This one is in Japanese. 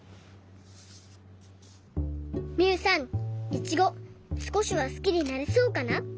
イチゴすこしは好きになれそうかな？